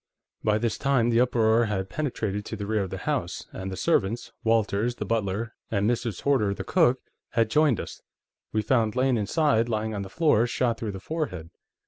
By this time, the uproar had penetrated to the rear of the house, and the servants Walters, the butler, and Mrs. Horder, the cook had joined us. We found Lane inside, lying on the floor, shot through the forehead.